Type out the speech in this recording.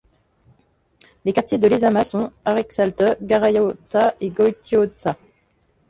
Les quartiers de Lezama sont: Aretxalde, Garaioltza et Goitioltza.